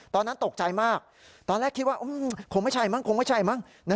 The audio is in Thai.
ตอนนั้นตกใจมากตอนแรกคิดว่าคงไม่ใช่มั้งคงไม่ใช่มั้ง